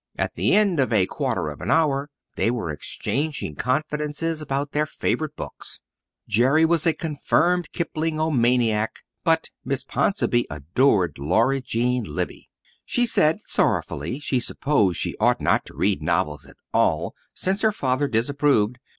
At the end of a quarter of an hour they were exchanging confidences about their favourite books. Jerry was a confirmed Kiplingomaniac, but Miss Ponsonby adored Laura Jean Libbey. She said sorrowfully she supposed she ought not to read novels at all since her father disapproved.